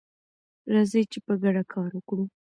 راځئ چې په ګډه کار وکړو.